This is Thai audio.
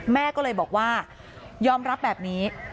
แม่ก็เลยบอกว่ายอมรับแบบนี้